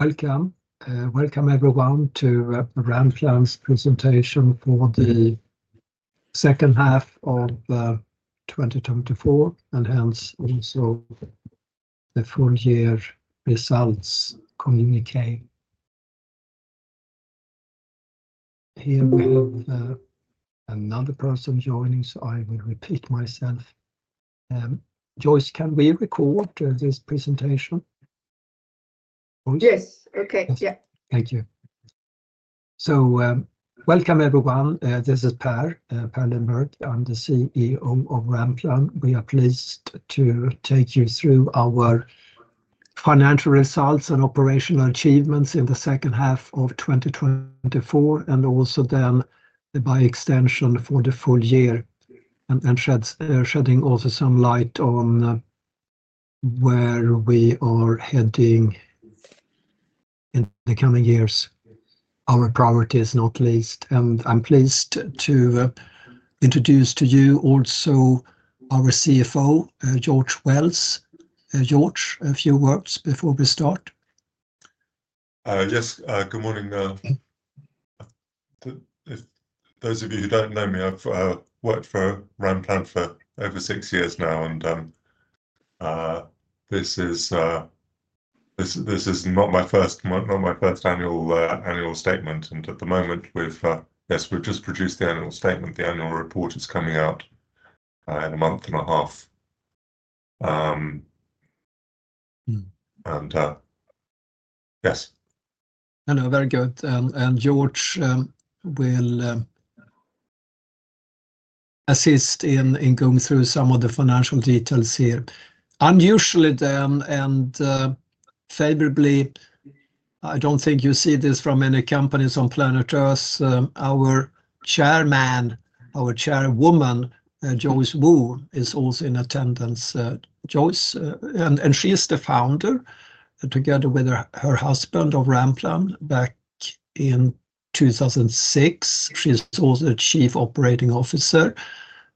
Welcome, everyone, to Ranplan's presentation for the second half of 2024, and hence also the full-year results communicate. Here we have another person joining, so I will repeat myself. Joyce, can we record this presentation? Yes. Okay. Yeah. Thank you. Welcome, everyone. This is Per Lindberg. I'm the CEO of Ranplan. We are pleased to take you through our financial results and operational achievements in the second half of 2024, and also then by extension for the full year, and shedding also some light on where we are heading in the coming years, our priorities, not least. I'm pleased to introduce to you also our CFO, George Wells. George, a few words before we start. Yes. Good morning. Those of you who don't know me, I've worked for Ranplan for over six years now, and this is not my first annual statement. At the moment, yes, we've just produced the annual statement. The annual report is coming out in a month and a half. Yes. No, no. Very good. George will assist in going through some of the financial details here. Unusually then, and favorably, I do not think you see this from any companies on planet Earth. Our Chairwoman, Joyce Wu, is also in attendance. Joyce, and she is the founder together with her husband of Ranplan back in 2006. She is also the Chief Operating Officer,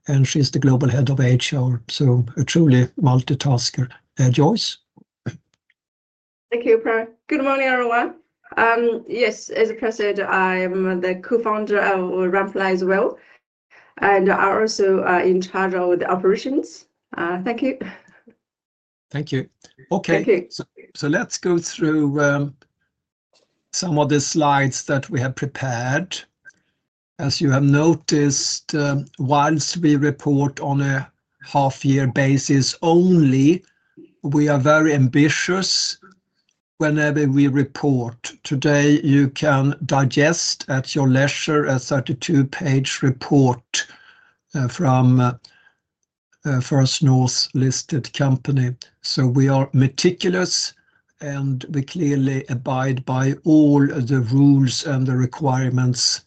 and she is the Global Head of HR. So a truly multitasker. Joyce. Thank you, Per. Good morning, everyone. Yes, as I said, I am the co-founder of Ranplan as well, and I am also in charge of the operations. Thank you. Thank you. Okay. Thank you. Let's go through some of the slides that we have prepared. As you have noticed, whilst we report on a half-year basis only, we are very ambitious whenever we report. Today, you can digest at your leisure a 32-page report from First North listed company. We are meticulous, and we clearly abide by all the rules and the requirements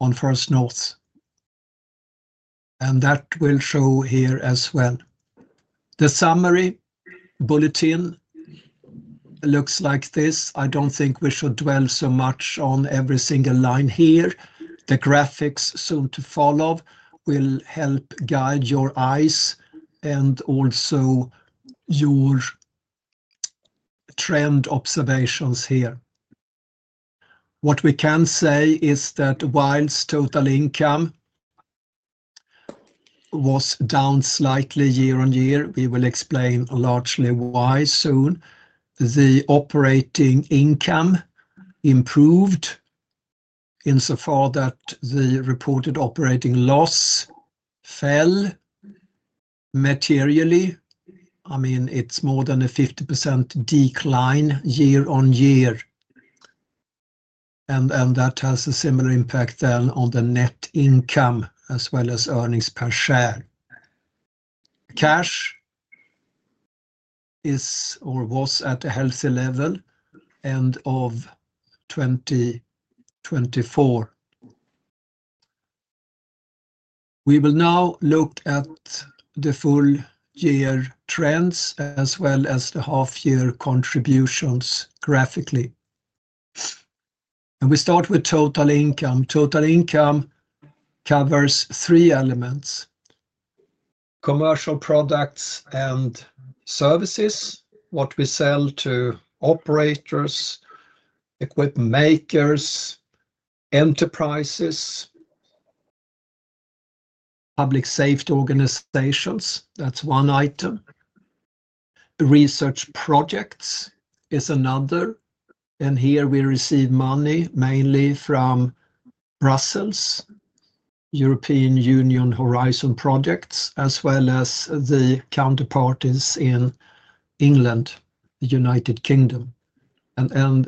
on First North. That will show here as well. The summary bulletin looks like this. I don't think we should dwell so much on every single line here. The graphics soon to follow will help guide your eyes and also your trend observations here. What we can say is that whilst total income was down slightly year-on-year, we will explain largely why soon, the operating income improved insofar that the reported operating loss fell materially. I mean, it's more than a 50% decline year on year. That has a similar impact then on the net income as well as earnings per share. Cash is or was at a healthy level end of 2024. We will now look at the full-year trends as well as the half-year contributions graphically. We start with total income. Total income covers three elements: commercial products and services, what we sell to operators, equipment makers, enterprises, public safety organizations. That's one item. Research projects is another. Here we receive money mainly from Brussels, European Union Horizon projects, as well as the counterparties in England, the United Kingdom.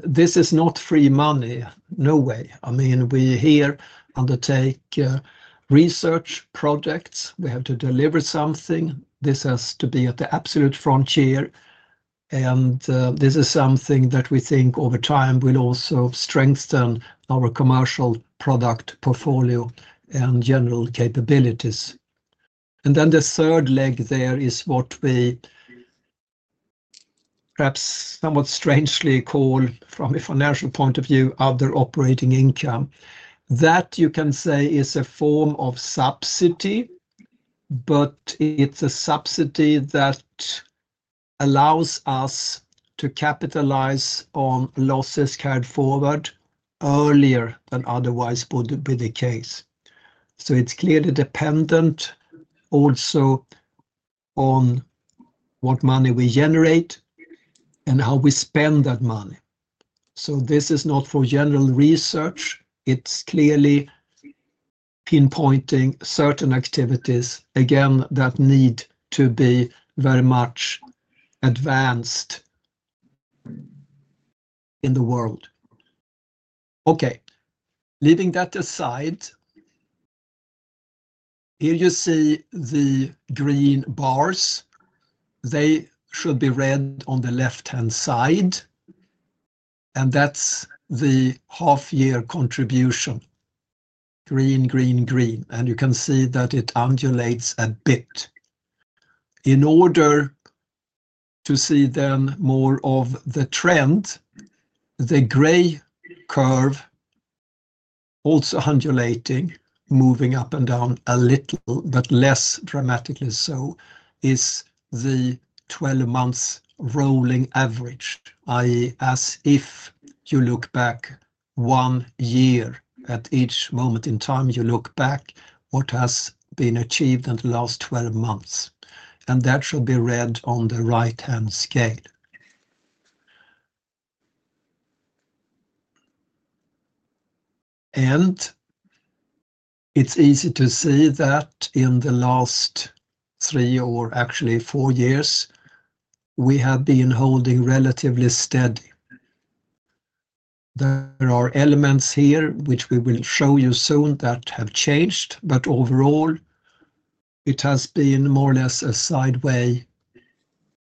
This is not free money. No way. I mean, we here undertake research projects. We have to deliver something. This has to be at the absolute frontier. This is something that we think over time will also strengthen our commercial product portfolio and general capabilities. Then the third leg there is what we perhaps somewhat strangely call, from a financial point of view, other operating income. That you can say is a form of subsidy, but it's a subsidy that allows us to capitalize on losses carried forward earlier than otherwise would be the case. It's clearly dependent also on what money we generate and how we spend that money. This is not for general research. It's clearly pinpointing certain activities, again, that need to be very much advanced in the world. Okay. Leaving that aside, here you see the green bars. They should be red on the left-hand side. That's the half-year contribution. Green, green, green. You can see that it undulates a bit. In order to see then more of the trend, the gray curve, also undulating, moving up and down a little, but less dramatically so, is the 12-month rolling average, i.e., as if you look back one year at each moment in time you look back, what has been achieved in the last 12 months. That should be red on the right-hand scale. It is easy to see that in the last three or actually four years, we have been holding relatively steady. There are elements here, which we will show you soon, that have changed, but overall, it has been more or less a sideway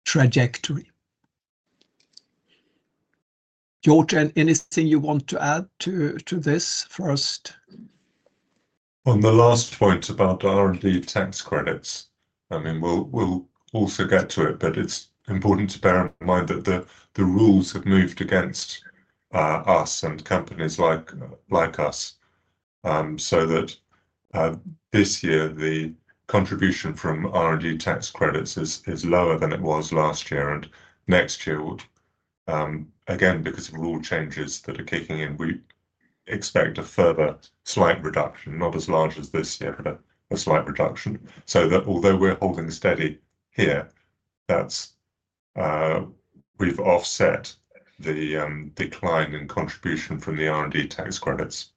trajectory. George, anything you want to add to this first? On the last point about R&D tax credits, I mean, we'll also get to it, but it's important to bear in mind that the rules have moved against us and companies like us. That this year, the contribution from R&D tax credits is lower than it was last year. Next year, again, because of rule changes that are kicking in, we expect a further slight reduction, not as large as this year, but a slight reduction. Although we're holding steady here, we've offset the decline in contribution from the R&D tax credits.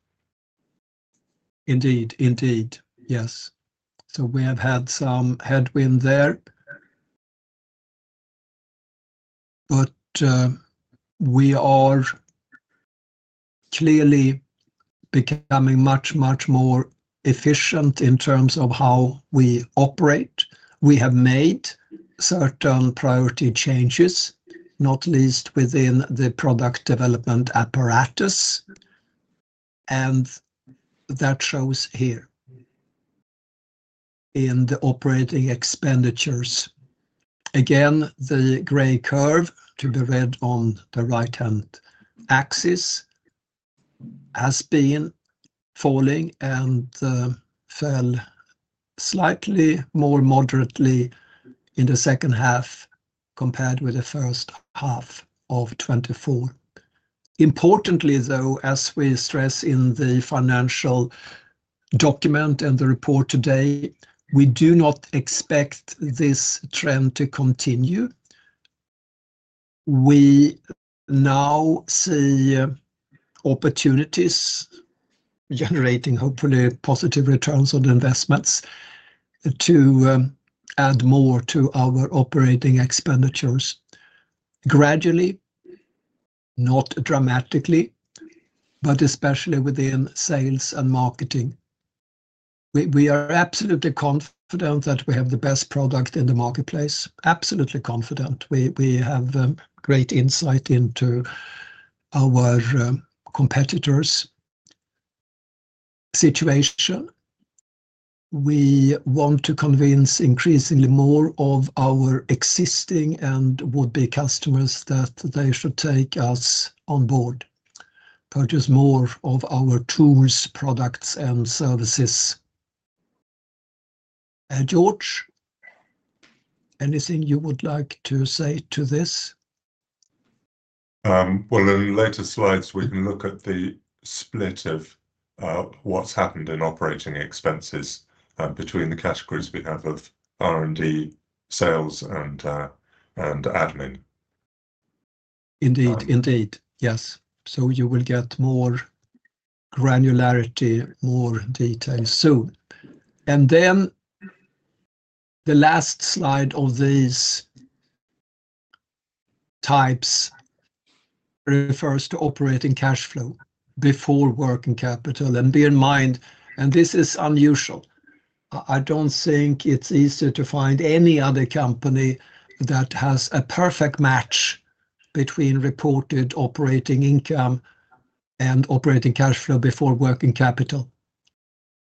Indeed. Indeed. Yes. We have had some headwind there. We are clearly becoming much, much more efficient in terms of how we operate. We have made certain priority changes, not least within the product development apparatus. That shows here in the operating expenditures. Again, the gray curve, to be read on the right-hand axis, has been falling and fell slightly more moderately in the second half compared with the first half of 2024. Importantly, though, as we stress in the financial document and the report today, we do not expect this trend to continue. We now see opportunities generating, hopefully, positive returns on investments to add more to our operating expenditures. Gradually, not dramatically, but especially within sales and marketing. We are absolutely confident that we have the best product in the marketplace. Absolutely confident. We have great insight into our competitors' situation. We want to convince increasingly more of our existing and would-be customers that they should take us on board, purchase more of our tools, products, and services. George, anything you would like to say to this? In later slides, we can look at the split of what's happened in operating expenses between the categories we have of R&D, sales, and admin. Indeed. Indeed. Yes. You will get more granularity, more detail soon. The last slide of these types refers to operating cash flow before working capital. Bear in mind, and this is unusual, I do not think it is easy to find any other company that has a perfect match between reported operating income and operating cash flow before working capital.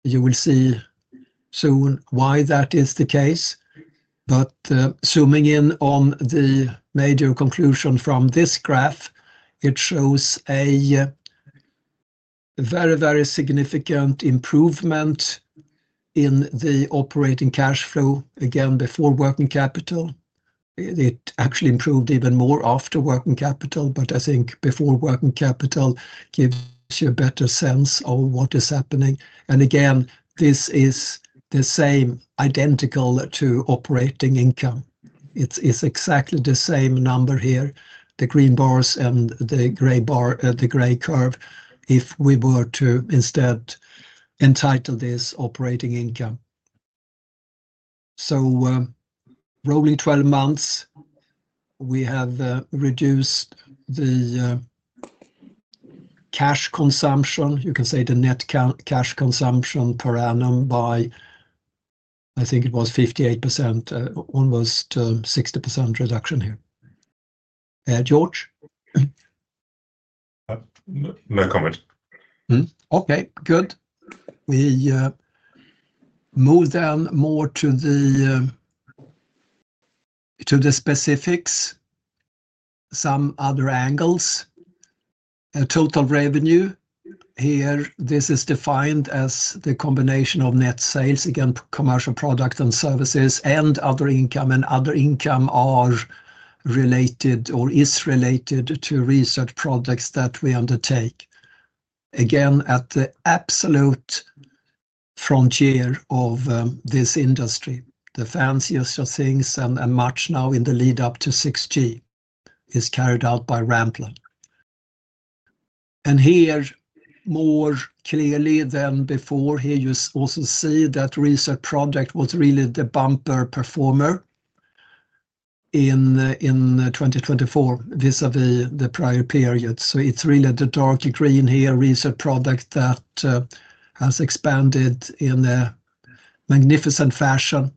You will see soon why that is the case. Zooming in on the major conclusion from this graph, it shows a very, very significant improvement in the operating cash flow, again, before working capital. It actually improved even more after working capital, but I think before working capital gives you a better sense of what is happening. Again, this is the same, identical to operating income. It's exactly the same number here, the green bars and the gray curve, if we were to instead entitle this operating income. Rolling 12 months, we have reduced the cash consumption, you can say the net cash consumption per annum by, I think it was 58%, almost 60% reduction here. George? No comment. Okay. Good. We move then more to the specifics, some other angles. Total revenue here, this is defined as the combination of net sales, again, commercial products and services, and other income, and other income are related or is related to research projects that we undertake. Again, at the absolute frontier of this industry, the fanciest of things and much now in the lead-up to 6G is carried out by Ranplan. Here, more clearly than before, here you also see that research project was really the bumper performer in 2024 this the prior period. It is really the dark green here, research product that has expanded in a magnificent fashion,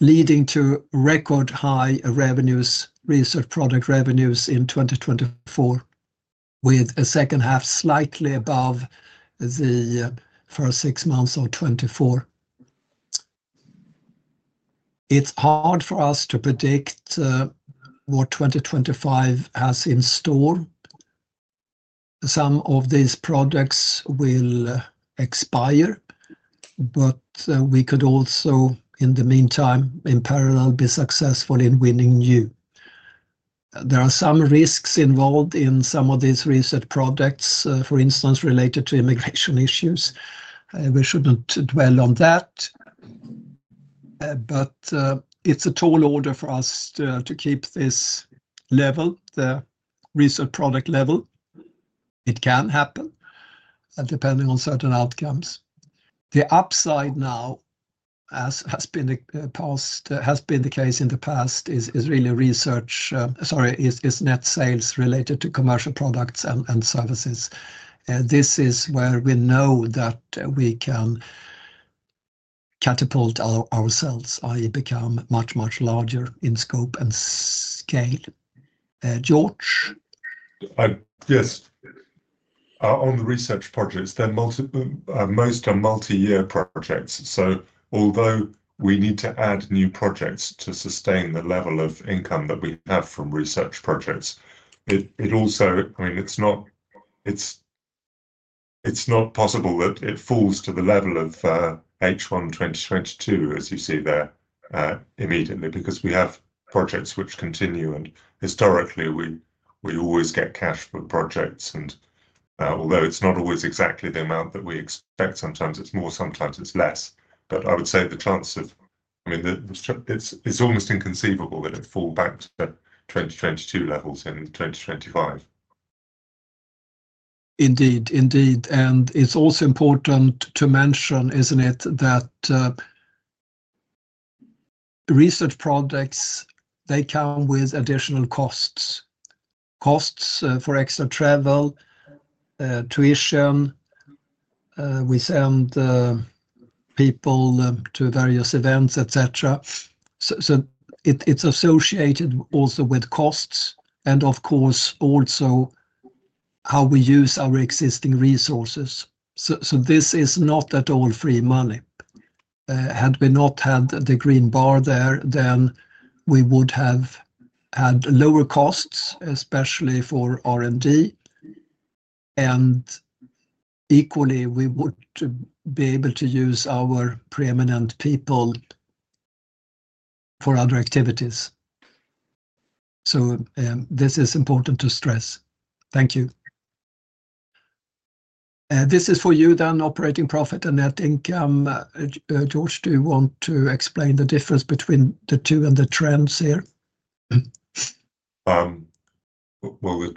leading to record high revenues, research product revenues in 2024, with a second half slightly above the first six months of 2024. It's hard for us to predict what 2025 has in store. Some of these projects will expire, but we could also, in the meantime, in parallel, be successful in winning new. There are some risks involved in some of these research projects, for instance, related to immigration issues. We shouldn't dwell on that. It is a tall order for us to keep this level, the research product level. It can happen depending on certain outcomes. The upside now, as has been the case in the past, is really research, sorry, is net sales related to commercial products and services. This is where we know that we can catapult ourselves, i.e., become much, much larger in scope and scale. George? Yes. On the research projects, most are multi-year projects. Although we need to add new projects to sustain the level of income that we have from research projects, it also, I mean, it's not possible that it falls to the level of H1 2022, as you see there, immediately, because we have projects which continue. Historically, we always get cash for projects. Although it's not always exactly the amount that we expect, sometimes it's more, sometimes it's less. I would say the chance of, I mean, it's almost inconceivable that it falls back to 2022 levels in 2025. Indeed. Indeed. It is also important to mention, is it not, that research projects come with additional costs. Costs for extra travel, tuition, we send people to various events, etc. It is associated also with costs and, of course, also how we use our existing resources. This is not at all free money. Had we not had the green bar there, we would have had lower costs, especially for R&D. Equally, we would be able to use our preeminent people for other activities. This is important to stress. Thank you. This is for you then, operating profit and net income. George, do you want to explain the difference between the two and the trends here? The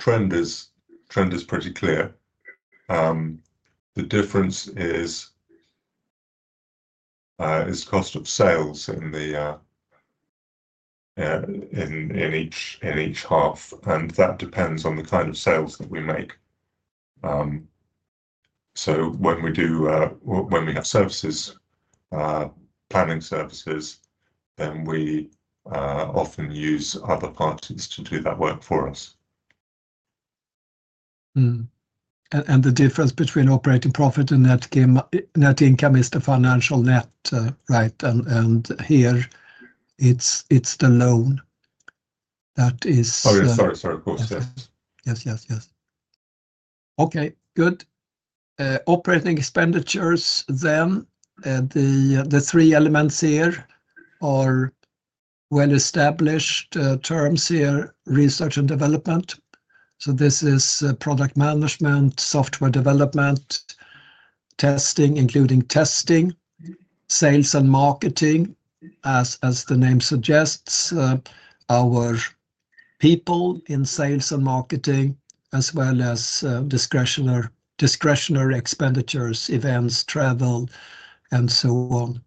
trend is pretty clear. The difference is cost of sales in each half. That depends on the kind of sales that we make. When we have services, planning services, then we often use other parties to do that work for us. The difference between operating profit and net income is the financial net, right? Here, it's the loan that is. Sorry. Of course. Yes. Yes. Yes. Yes. Okay. Good. Operating expenditures then. The three elements here are well-established terms here, research and development. This is product management, software development, testing, including testing, sales and marketing, as the name suggests, our people in sales and marketing, as well as discretionary expenditures, events, travel, and so on.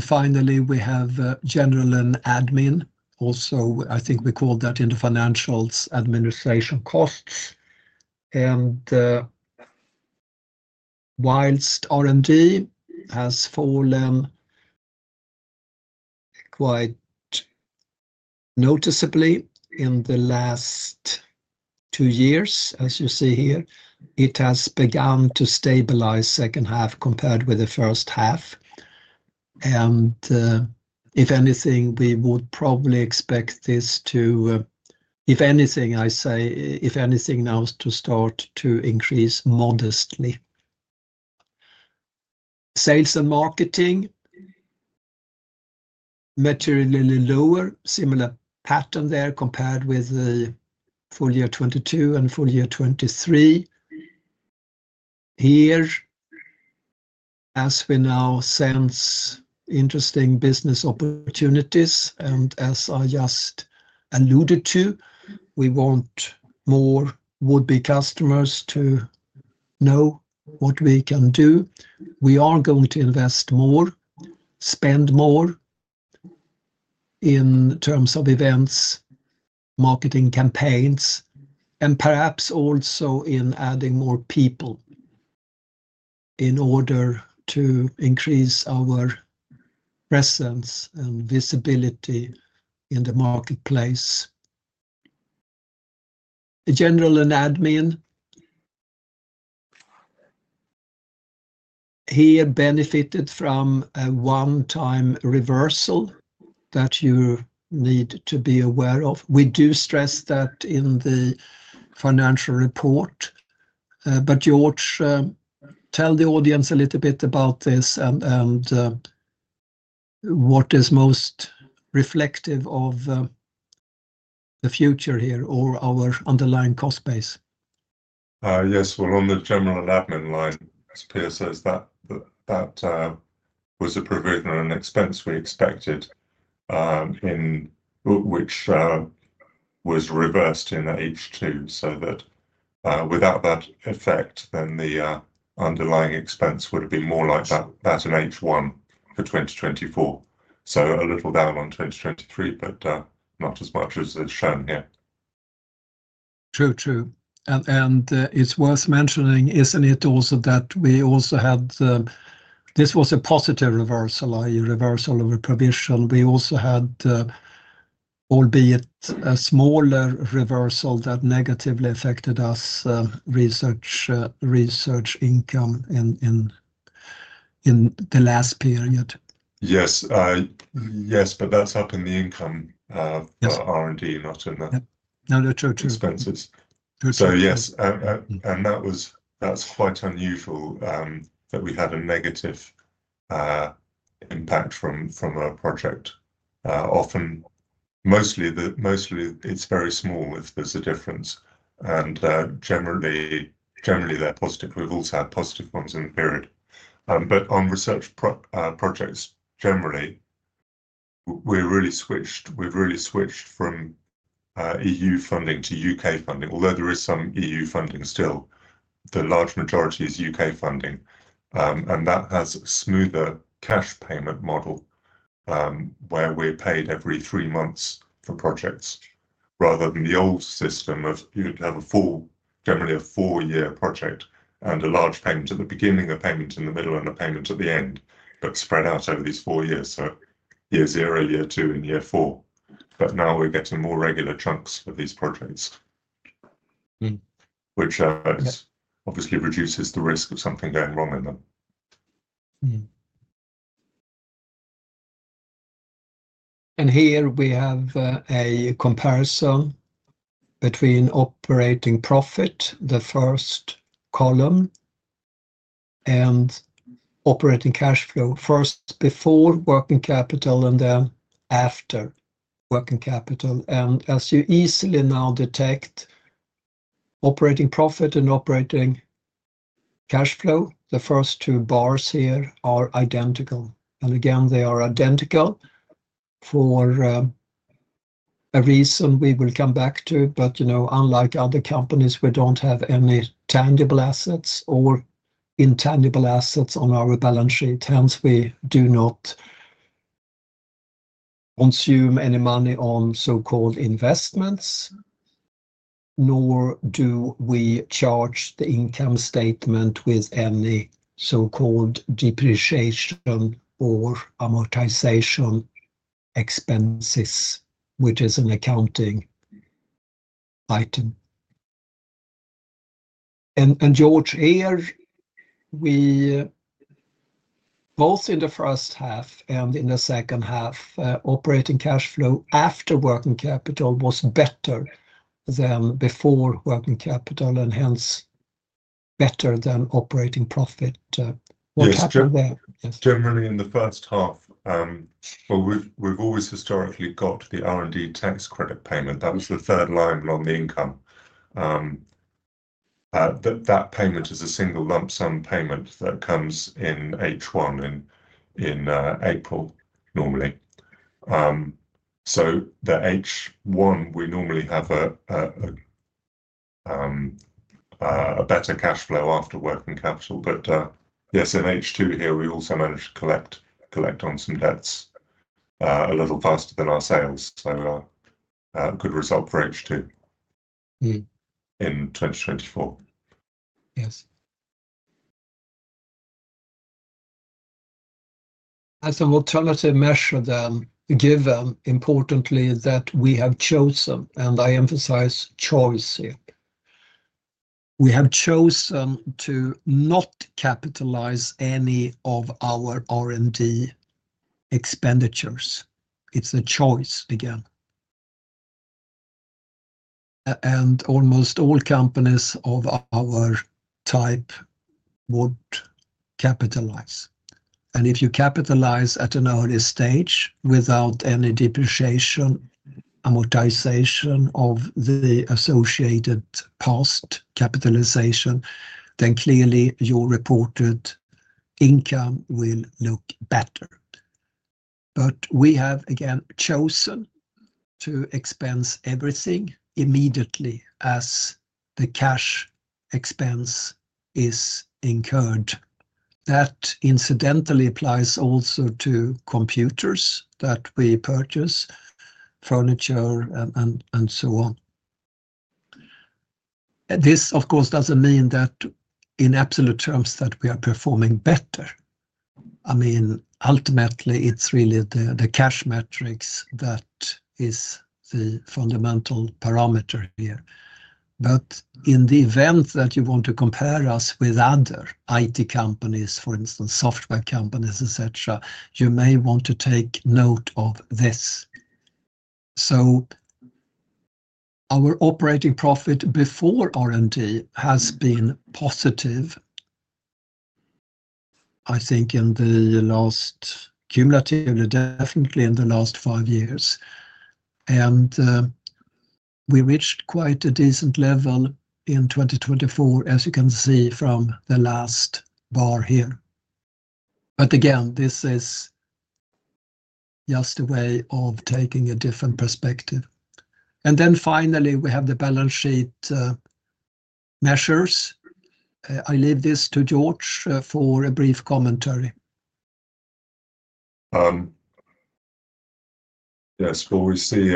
Finally, we have general and admin. Also, I think we call that in the financials administration costs. Whilst R&D has fallen quite noticeably in the last two years, as you see here, it has begun to stabilize second half compared with the first half. If anything, we would probably expect this to, if anything, I say, if anything now to start to increase modestly. Sales and marketing, materially lower, similar pattern there compared with the full year 2022 and full year 2023. Here, as we now sense interesting business opportunities, and as I just alluded to, we want more would-be customers to know what we can do. We are going to invest more, spend more in terms of events, marketing campaigns, and perhaps also in adding more people in order to increase our presence and visibility in the marketplace. General and admin, here benefited from a one-time reversal that you need to be aware of. We do stress that in the financial report. George, tell the audience a little bit about this and what is most reflective of the future here or our underlying cost base. Yes. On the general and admin line, as Per says, that was a provisional expense we expected, which was reversed in H2. Without that effect, then the underlying expense would have been more like that in H1 for 2024. A little down on 2023, but not as much as shown here. True. True. It is worth mentioning, isn't it, also that we also had, this was a positive reversal, i.e., reversal of a provision. We also had, albeit a smaller reversal, that negatively affected us research income in the last period. Yes. Yes. That is up in the income of R&D, not in the expenses. No, no. True. True. Yes. That's quite unusual that we had a negative impact from a project. Often, mostly, it's very small if there's a difference. Generally, they're positive. We've also had positive ones in the period. On research projects, generally, we've really switched from E.U. funding to U.K. funding. Although there is some E.U. funding still, the large majority is U.K. funding. That has a smoother cash payment model where we're paid every three months for projects rather than the old system of you'd have a full, generally a four-year project and a large payment at the beginning, a payment in the middle, and a payment at the end, but spread out over these four years, so year zero, year two, and year four. Now we're getting more regular chunks of these projects, which obviously reduces the risk of something going wrong in them. Here we have a comparison between operating profit, the first column, and operating cash flow, first before working capital and then after working capital. As you easily now detect, operating profit and operating cash flow, the first two bars here, are identical. They are identical for a reason we will come back to. Unlike other companies, we do not have any tangible assets or intangible assets on our balance sheet. Hence, we do not consume any money on so-called investments, nor do we charge the income statement with any so-called depreciation or amortization expenses, which is an accounting item. George, here, both in the first half and in the second half, operating cash flow after working capital was better than before working capital and hence better than operating profit. What happened there? Yes. Generally, in the first half, we've always historically got the R&D tax credit payment. That was the third line on the income. That payment is a single lump sum payment that comes in H1 in April normally. The H1, we normally have a better cash flow after working capital. Yes, in H2 here, we also managed to collect on some debts a little faster than our sales. A good result for H2 in 2024. Yes. As an alternative measure, then, given importantly that we have chosen, and I emphasize choice here, we have chosen to not capitalize any of our R&D expenditures. It's a choice again. Almost all companies of our type would capitalize. If you capitalize at an early stage without any depreciation, amortization of the associated cost capitalization, then clearly your reported income will look better. We have, again, chosen to expense everything immediately as the cash expense is incurred. That incidentally applies also to computers that we purchase, furniture, and so on. This, of course, does not mean that in absolute terms that we are performing better. I mean, ultimately, it is really the cash metrics that is the fundamental parameter here. In the event that you want to compare us with other IT companies, for instance, software companies, etc., you may want to take note of this. Our operating profit before R&D has been positive, I think, in the last cumulatively, definitely in the last five years. We reached quite a decent level in 2024, as you can see from the last bar here. Again, this is just a way of taking a different perspective. Finally, we have the balance sheet measures. I leave this to George for a brief commentary. Yes. We see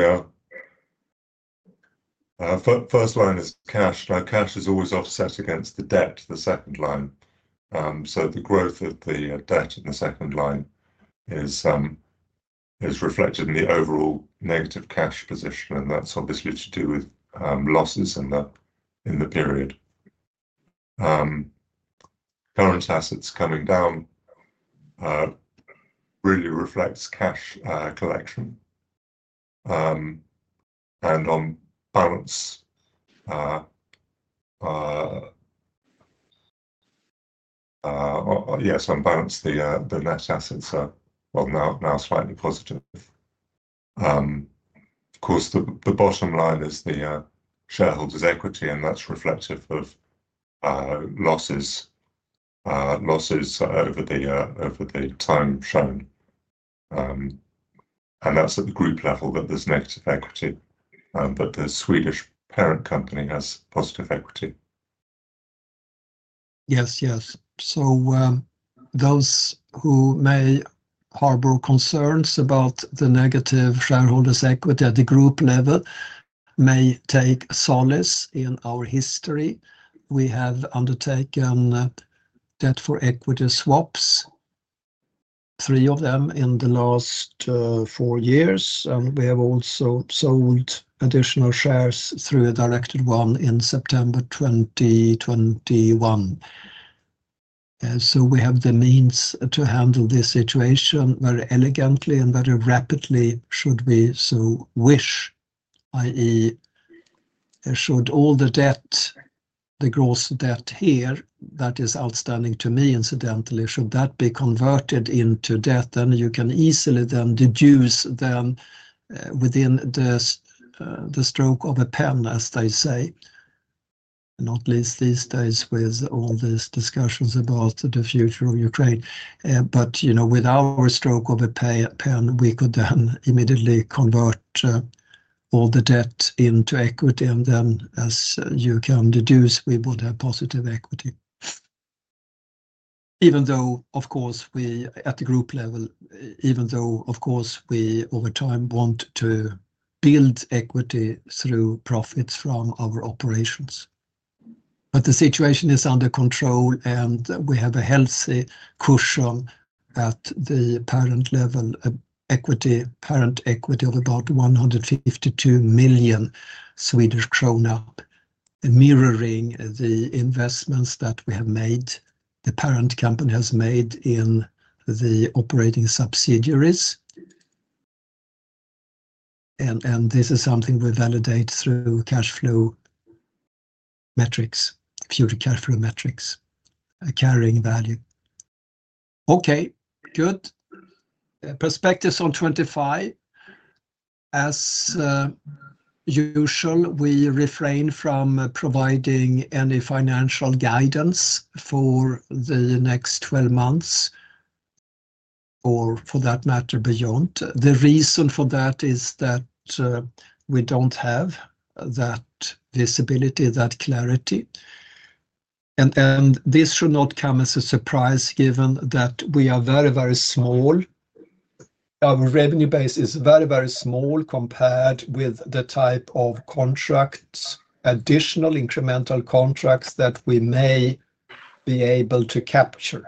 first line is cash. Now, cash is always offset against the debt, the second line. The growth of the debt in the second line is reflected in the overall negative cash position. That is obviously to do with losses in the period. Current assets coming down really reflects cash collection. On balance, yes, on balance, the net assets are now slightly positive. Of course, the bottom line is the shareholders' equity, and that is reflective of losses over the time shown. That is at the group level that there is negative equity. The Swedish parent company has positive equity. Yes. Yes. Those who may harbor concerns about the negative shareholders' equity at the group level may take solace in our history. We have undertaken debt for equity swaps, three of them in the last four years. We have also sold additional shares through a directed one in September 2021. We have the means to handle this situation very elegantly and very rapidly should we so wish, i.e., should all the debt, the gross debt here that is outstanding to me, incidentally, should that be converted into debt, you can easily deduce within the stroke of a pen, as they say, not least these days with all these discussions about the future of Ukraine. With our stroke of a pen, we could immediately convert all the debt into equity. As you can deduce, we would have positive equity. Even though, of course, we at the group level, even though, of course, we over time want to build equity through profits from our operations. The situation is under control, and we have a healthy cushion at the parent level, equity, parent equity of about 152 million Swedish krona, mirroring the investments that we have made, the parent company has made in the operating subsidiaries. This is something we validate through cash flow metrics, future cash flow metrics, carrying value. Okay. Good. Perspectives on 2025. As usual, we refrain from providing any financial guidance for the next 12 months or for that matter beyond. The reason for that is that we do not have that visibility, that clarity. This should not come as a surprise given that we are very, very small. Our revenue base is very, very small compared with the type of contracts, additional incremental contracts that we may be able to capture.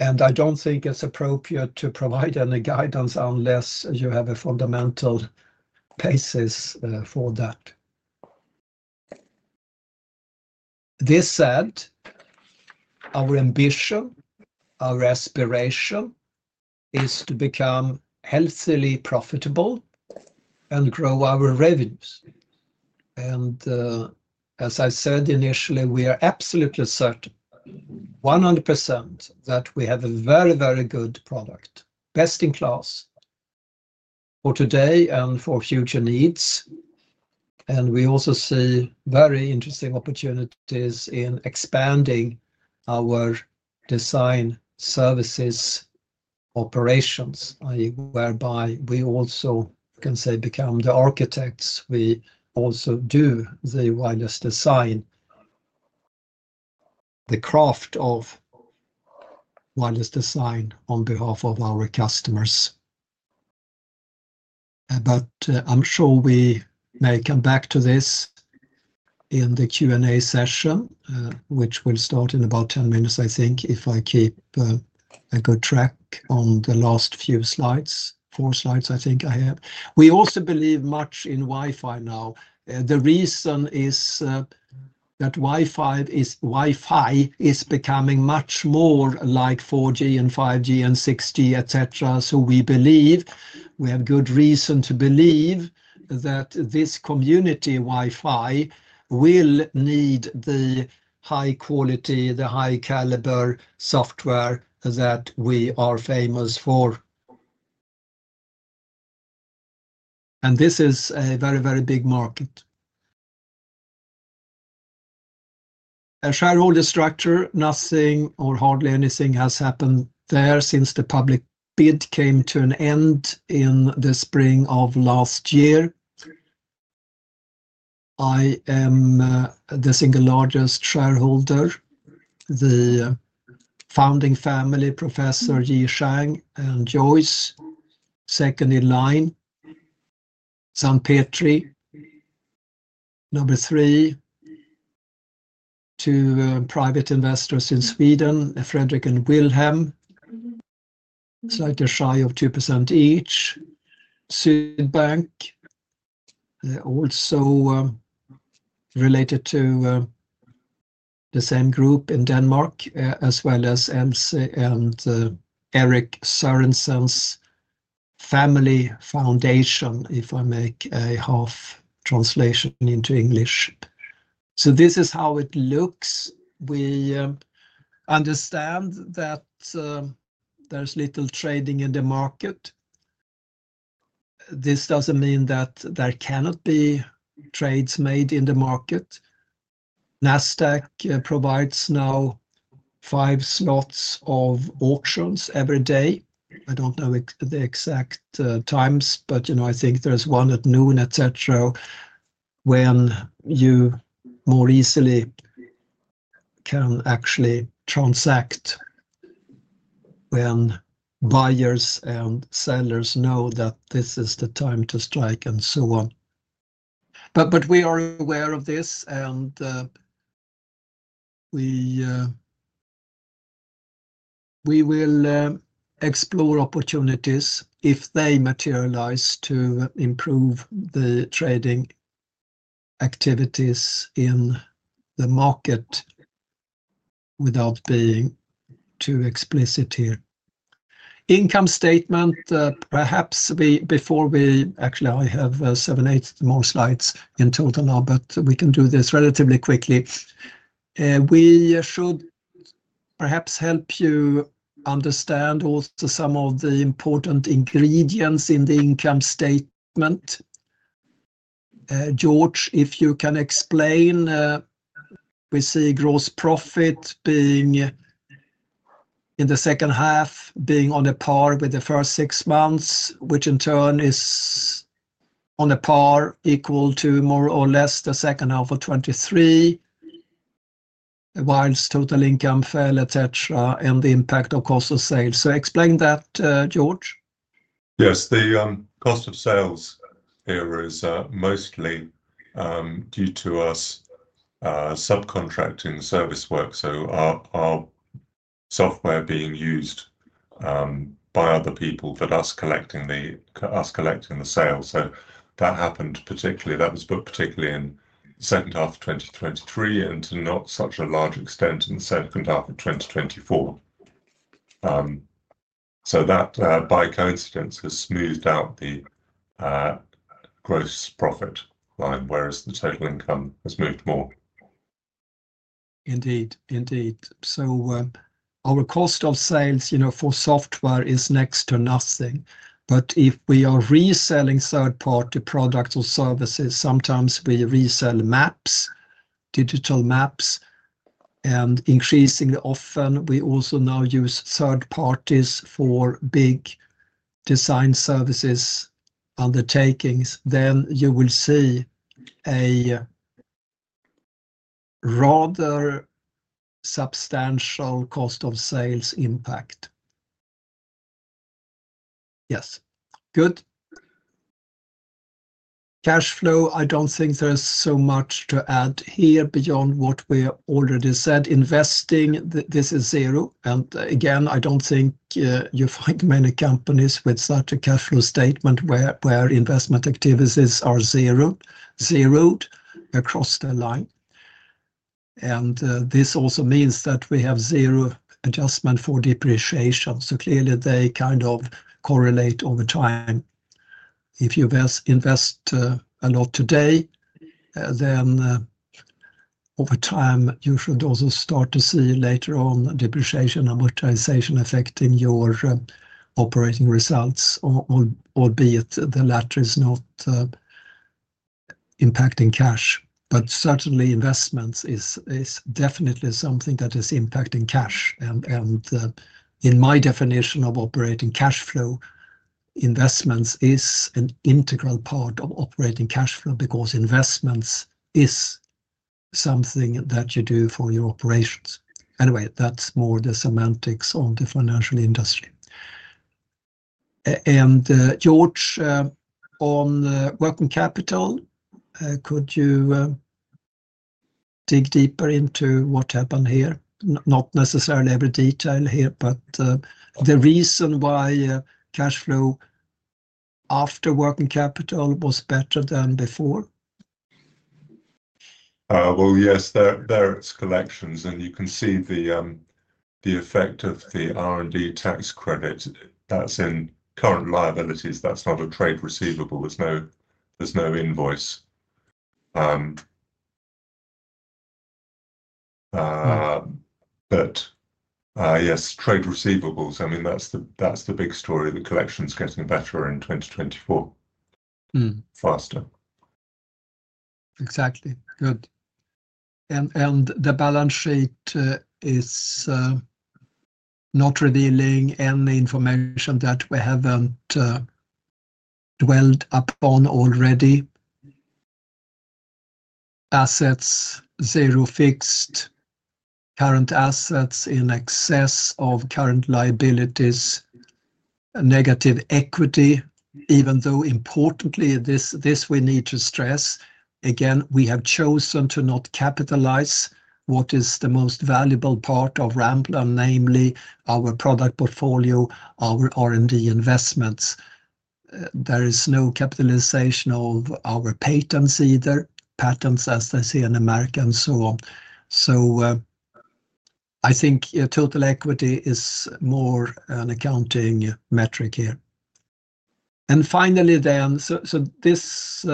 I don't think it's appropriate to provide any guidance unless you have a fundamental basis for that. This said, our ambition, our aspiration is to become healthily profitable and grow our revenues. As I said initially, we are absolutely certain, 100%, that we have a very, very good product, best in class for today and for future needs. We also see very interesting opportunities in expanding our design services operations, i.e., whereby we also can say become the architects. We also do the wireless design, the craft of wireless design on behalf of our customers. I'm sure we may come back to this in the Q&A session, which will start in about 10 minutes, I think, if I keep a good track on the last few slides, four slides, I think I have. We also believe much in Wi-Fi now. The reason is that Wi-Fi is becoming much more like 4G and 5G and 6G, etc. We believe, we have good reason to believe that this community Wi-Fi will need the high quality, the high caliber software that we are famous for. This is a very, very big market. Shareholder structure, nothing or hardly anything has happened there since the public bid came to an end in the spring of last year. I am the single largest shareholder. The founding family, Professor Jie Zhang and Joyce, second in line, Sancti Petri, number three to private investors in Sweden, Frederick and Wilhelm, slightly shy of 2% each, Swedbank, also related to the same group in Denmark, as well as Ernst and Eric Sørensen's family foundation, if I make a half translation into English. This is how it looks. We understand that there's little trading in the market. This doesn't mean that there cannot be trades made in the market. Nasdaq provides now five slots of auctions every day. I don't know the exact times, but I think there's one at noon, etc., when you more easily can actually transact when buyers and sellers know that this is the time to strike and so on. We are aware of this, and we will explore opportunities if they materialize to improve the trading activities in the market without being too explicit here. Income statement, perhaps before we actually, I have seven, eight more slides in total now, but we can do this relatively quickly. We should perhaps help you understand also some of the important ingredients in the income statement. George, if you can explain, we see gross profit being in the second half being on a par with the first six months, which in turn is on a par equal to more or less the second half of 2023, while total income fell, etc., and the impact of cost of sales. Explain that, George. Yes. The cost of sales here is mostly due to us subcontracting service work, so our software being used by other people, but us collecting the sales. That happened particularly, that was particularly in the second half of 2023 and to not such a large extent in the second half of 2024. That, by coincidence, has smoothed out the gross profit line, whereas the total income has moved more. Indeed. Indeed. Our cost of sales for software is next to nothing. If we are reselling third-party products or services, sometimes we resell maps, digital maps, and increasingly often we also now use third parties for big design services undertakings, then you will see a rather substantial cost of sales impact. Yes. Good. Cash flow, I do not think there is so much to add here beyond what we already said. Investing, this is zero. I do not think you find many companies with such a cash flow statement where investment activities are zeroed across the line. This also means that we have zero adjustment for depreciation. Clearly, they kind of correlate over time. If you invest a lot today, then over time, you should also start to see later on depreciation and amortization affecting your operating results, albeit the latter is not impacting cash. Certainly, investments is definitely something that is impacting cash. In my definition of operating cash flow, investments is an integral part of operating cash flow because investments is something that you do for your operations. Anyway, that is more the semantics on the financial industry. George, on working capital, could you dig deeper into what happened here? Not necessarily every detail here, but the reason why cash flow after working capital was better than before. Yes, there are collections, and you can see the effect of the R&D tax credit. That is in current liabilities. That is not a trade receivable. There is no invoice. Yes, trade receivables, I mean, that is the big story. The collection is getting better in 2024, faster. Exactly. Good. The balance sheet is not revealing any information that we have not dwelled upon already. Assets, zero fixed, current assets in excess of current liabilities, negative equity, even though importantly, this we need to stress. Again, we have chosen to not capitalize what is the most valuable part of Ranplan, namely our product portfolio, our R&D investments. There is no capitalization of our patents either, patents as they say in America, and so on. I think total equity is more an accounting metric here. Finally, this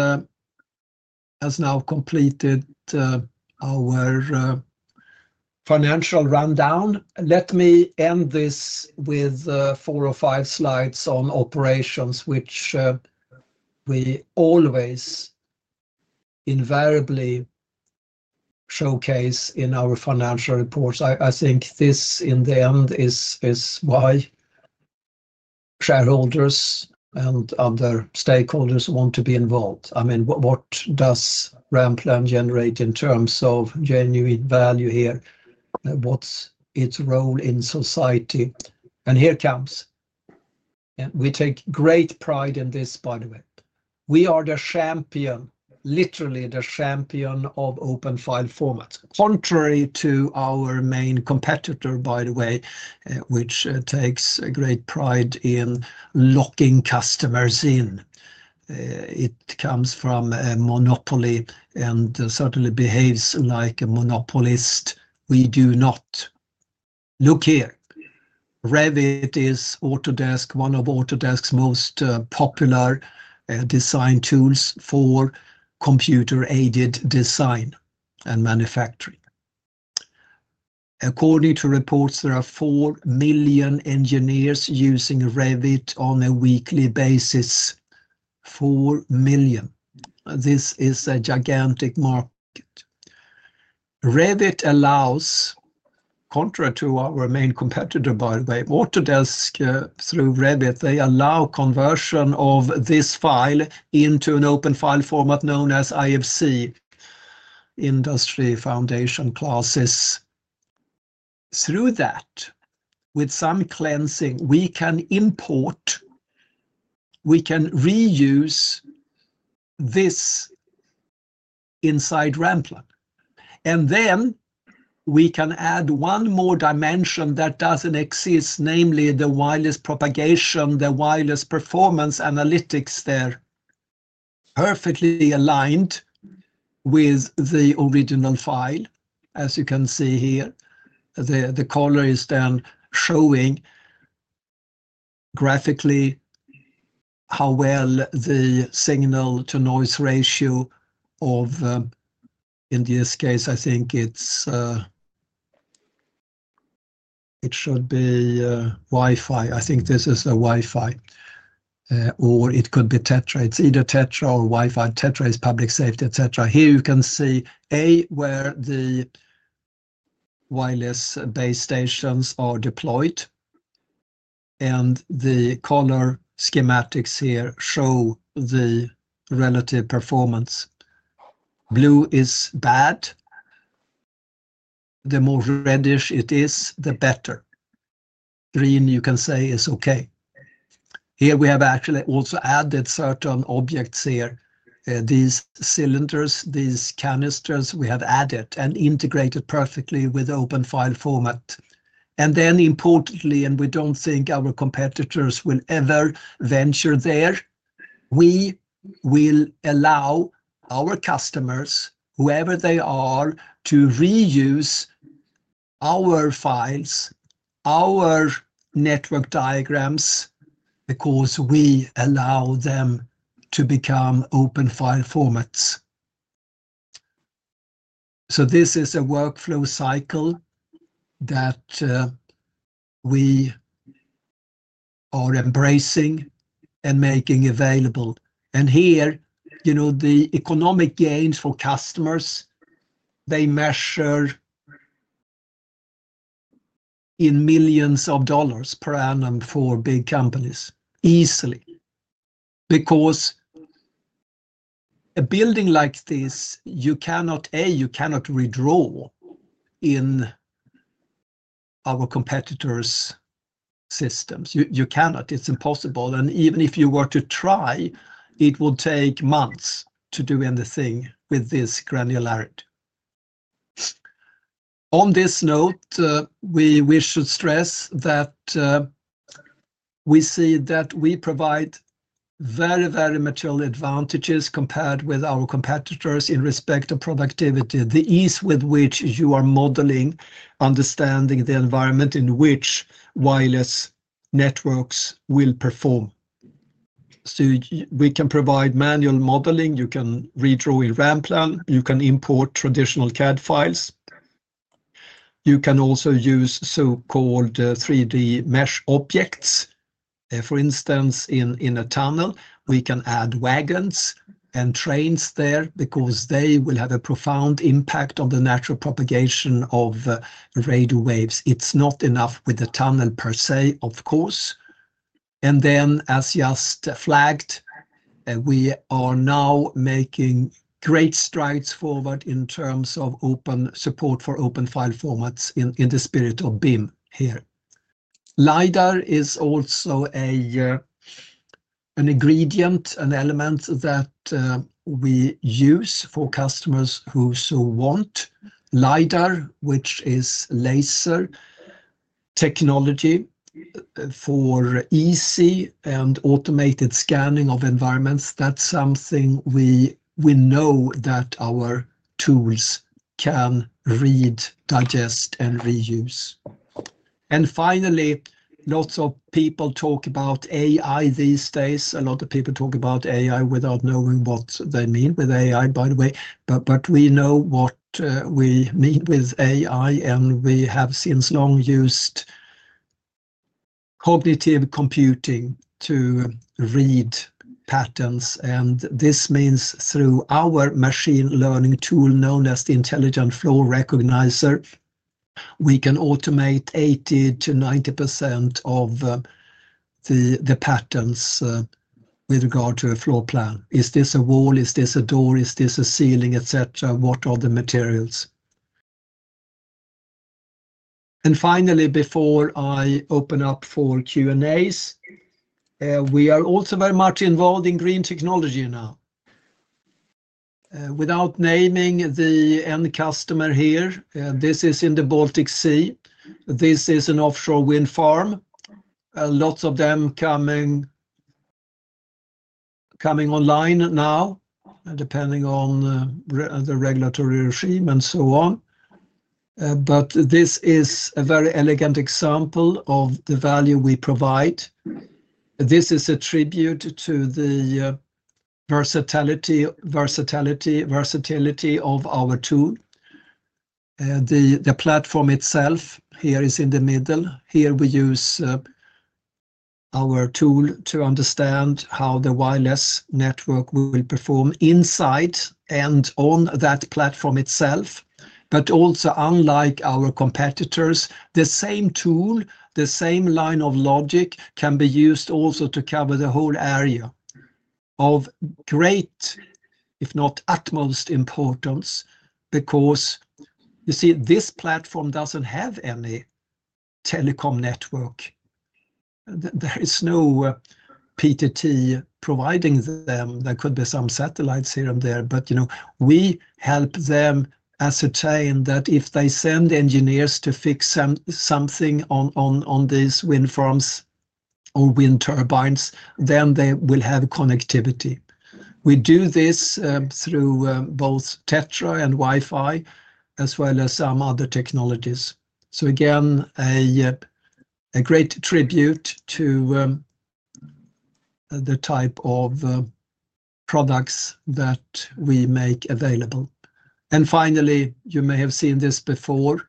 has now completed our financial rundown. Let me end this with four or five slides on operations, which we always invariably showcase in our financial reports. I think this in the end is why shareholders and other stakeholders want to be involved. I mean, what does Ranplan generate in terms of genuine value here? What's its role in society? Here comes. We take great pride in this, by the way. We are the champion, literally the champion of open file formats, contrary to our main competitor, by the way, which takes great pride in locking customers in. It comes from a monopoly and certainly behaves like a monopolist. We do not. Look here. Revit is Autodesk, one of Autodesk's most popular design tools for computer-aided design and manufacturing. According to reports, there are 4 million engineers using Revit on a weekly basis. 4 million. This is a gigantic market. Revit allows, contrary to our main competitor, by the way, Autodesk through Revit, they allow conversion of this file into an open file format known as IFC, Industry Foundation Classes. Through that, with some cleansing, we can import, we can reuse this inside Ranplan. We can add one more dimension that does not exist, namely the wireless propagation, the wireless performance analytics there, perfectly aligned with the original file, as you can see here. The color is then showing graphically how well the signal-to-noise ratio of, in this case, I think it should be Wi-Fi. I think this is a Wi-Fi, or it could be Tetra. It is either Tetra or Wi-Fi. Tetra is public safety, etc. Here you can see A, where the wireless base stations are deployed. The color schematics here show the relative performance. Blue is bad. The more reddish it is, the better. Green, you can say, is okay. Here we have actually also added certain objects here. These cylinders, these canisters, we have added and integrated perfectly with open file format. Importantly, and we do not think our competitors will ever venture there, we will allow our customers, whoever they are, to reuse our files, our network diagrams, because we allow them to become open file formats. This is a workflow cycle that we are embracing and making available. Here, the economic gains for customers, they measure in millions of dollars per annum for big companies easily. Because a building like this, you cannot, A, you cannot redraw in our competitors' systems. You cannot. It is impossible. Even if you were to try, it would take months to do anything with this granularity. On this note, we should stress that we see that we provide very, very material advantages compared with our competitors in respect of productivity, the ease with which you are modeling, understanding the environment in which wireless networks will perform. We can provide manual modeling. You can redraw in Ranplan. You can import traditional CAD files. You can also use so-called 3D mesh objects. For instance, in a tunnel, we can add wagons and trains there because they will have a profound impact on the natural propagation of radio waves. It's not enough with the tunnel per se, of course. As just flagged, we are now making great strides forward in terms of open support for open file formats in the spirit of BIM here. LiDAR is also an ingredient, an element that we use for customers who so want. LiDAR, which is laser technology for easy and automated scanning of environments, that's something we know that our tools can read, digest, and reuse. Finally, lots of people talk about AI these days. A lot of people talk about AI without knowing what they mean with AI, by the way. We know what we mean with AI, and we have since long used cognitive computing to read patterns. This means through our machine learning tool known as the Intelligent Floor Recognizer, we can automate 80%-90% of the patterns with regard to a floor plan. Is this a wall? Is this a door? Is this a ceiling, etc.? What are the materials? Finally, before I open up for Q&As, we are also very much involved in green technology now. Without naming the end customer here, this is in the Baltic Sea. This is an offshore wind farm. Lots of them coming online now, depending on the regulatory regime and so on. This is a very elegant example of the value we provide. This is a tribute to the versatility of our tool. The platform itself here is in the middle. Here we use our tool to understand how the wireless network will perform inside and on that platform itself. Also, unlike our competitors, the same tool, the same line of logic can be used also to cover the whole area of great, if not utmost importance, because you see this platform does not have any telecom network. There is no PTT providing them. There could be some satellites here and there, but we help them ascertain that if they send engineers to fix something on these wind farms or wind turbines, then they will have connectivity. We do this through both Tetra and Wi-Fi, as well as some other technologies. Again, a great tribute to the type of products that we make available. You may have seen this before,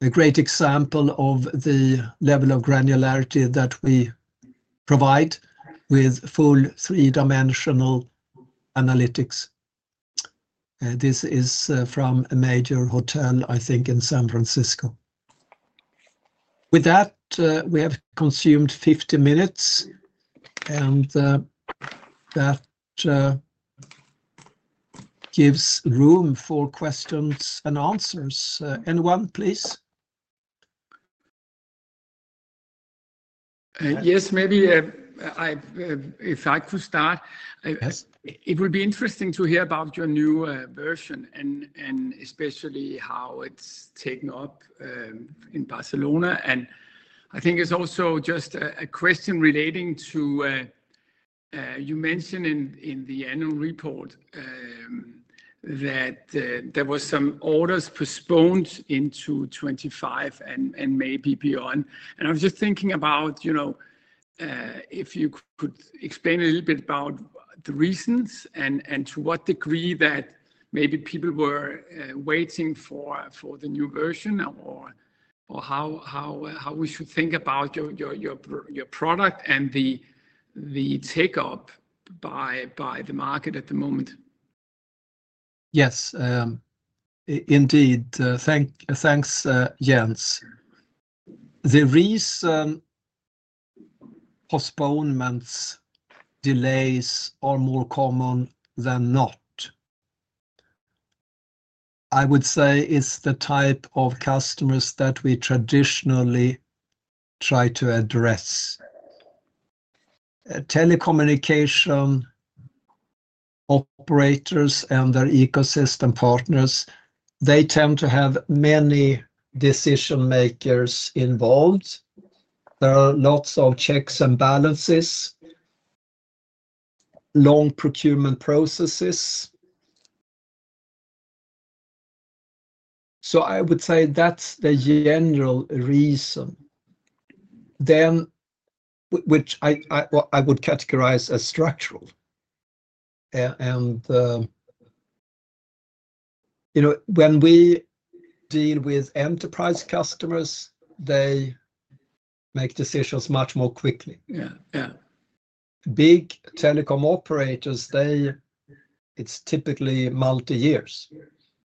a great example of the level of granularity that we provide with full three-dimensional analytics. This is from a major hotel, I think, in San Francisco. With that, we have consumed 50 minutes, and that gives room for questions and answers. Anyone, please? Yes, maybe if I could start, it would be interesting to hear about your new version and especially how it's taken up in Barcelona. I think it's also just a question relating to you mentioned in the annual report that there were some orders postponed into 2025 and maybe beyond. I was just thinking about if you could explain a little bit about the reasons and to what degree that maybe people were waiting for the new version or how we should think about your product and the take-up by the market at the moment. Yes, indeed. Thanks. The reason postponements, delays are more common than not, I would say, is the type of customers that we traditionally try to address. Telecommunication operators and their ecosystem partners, they tend to have many decision-makers involved. There are lots of checks and balances, long procurement processes. I would say that's the general reason, which I would categorize as structural. When we deal with enterprise customers, they make decisions much more quickly. Big telecom operators, it's typically multi-years.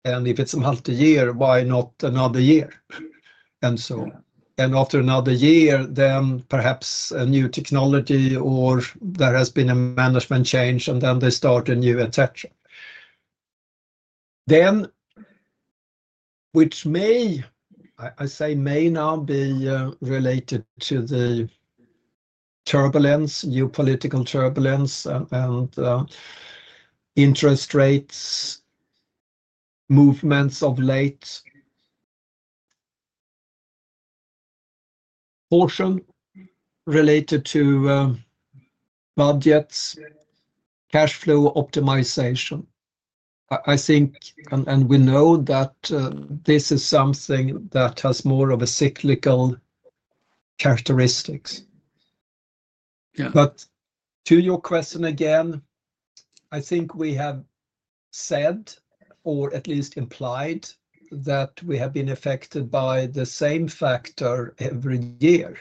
If it's a multi-year, why not another year? And so on. After another year, then perhaps a new technology or there has been a management change, and then they start a new, etc. Which may, I say may now be related to the turbulence, geopolitical turbulence, and interest rates movements of late portion related to budgets, cash flow optimization. I think, and we know that this is something that has more of a cyclical characteristics. To your question again, I think we have said, or at least implied, that we have been affected by the same factor every year.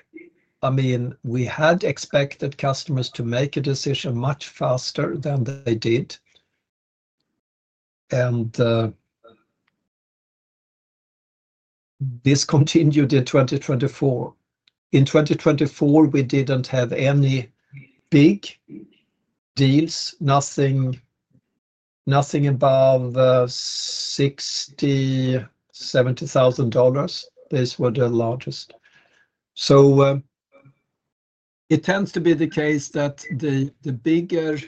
I mean, we had expected customers to make a decision much faster than they did. This continued in 2024. In 2024, we did not have any big deals, nothing above $60,000-$70,000. These were the largest. It tends to be the case that the bigger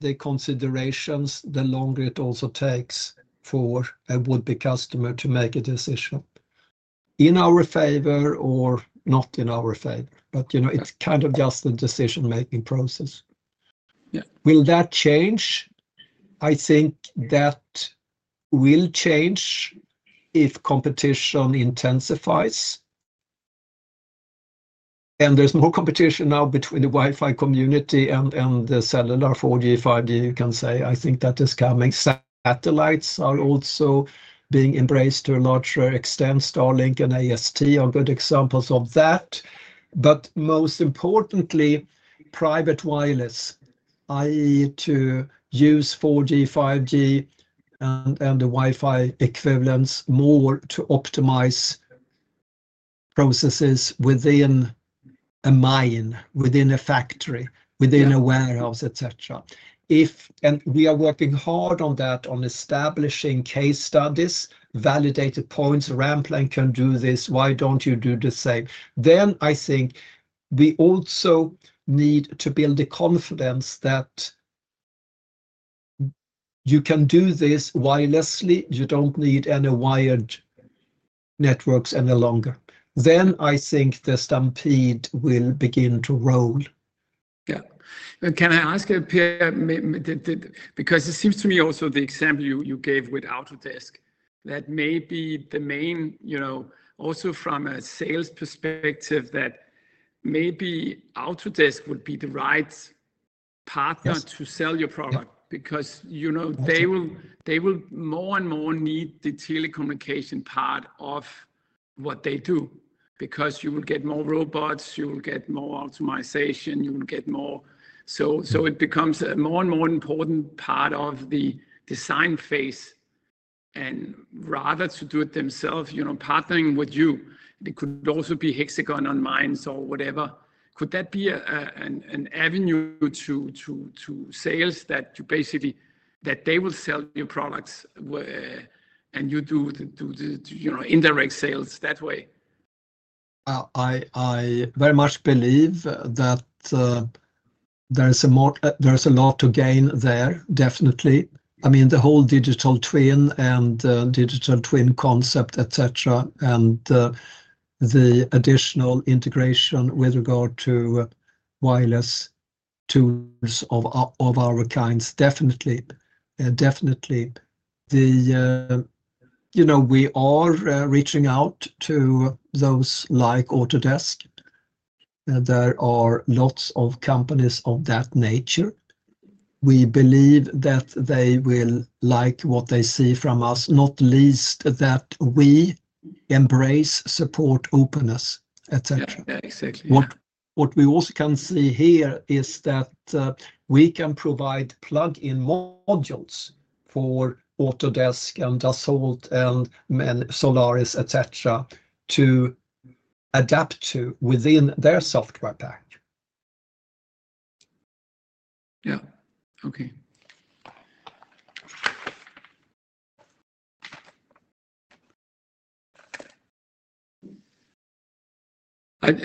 the considerations, the longer it also takes for a would-be customer to make a decision in our favor or not in our favor. It is kind of just the decision-making process. Will that change? I think that will change if competition intensifies. There is more competition now between the Wi-Fi community and the cellular 4G, 5G, you can say. I think that is coming. Satellites are also being embraced to a larger extent. Starlink and AST are good examples of that. Most importantly, private wireless, i.e., to use 4G, 5G, and the Wi-Fi equivalents more to optimize processes within a mine, within a factory, within a warehouse, etc. We are working hard on that, on establishing case studies, validated points. Ranplan can do this. Why don't you do the same? I think we also need to build the confidence that you can do this wirelessly. You do not need any wired networks any longer. I think the stampede will begin to roll. Yeah. Can I ask you, Per, because it seems to me also the example you gave with Autodesk, that may be the main, also from a sales perspective, that maybe Autodesk would be the right partner to sell your product because they will more and more need the telecommunication part of what they do because you will get more robots, you will get more optimization, you will get more. It becomes a more and more important part of the design phase. Rather than do it themselves, partnering with you, it could also be Hexagon on mines or whatever. Could that be an avenue to sales that they will sell your products and you do indirect sales that way? I very much believe that there is a lot to gain there, definitely. I mean, the whole digital twin and digital twin concept, etc., and the additional integration with regard to wireless tools of our kinds, definitely. We are reaching out to those like Autodesk. There are lots of companies of that nature. We believe that they will like what they see from us, not least that we embrace support openness, etc. Yeah, exactly. What we also can see here is that we can provide plug-in modules for Autodesk and Dassault and Solaris, etc., to adapt to within their software pack. Yeah. Okay.